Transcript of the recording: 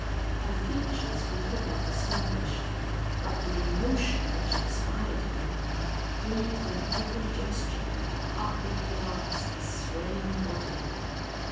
Her features we could not distinguish, but the emotion which inspired her, breathed in every gesture of her uplifted arms and swaying body.